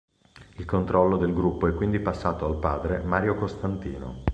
Il controllo del gruppo è quindi passato al padre, Mario Costantino.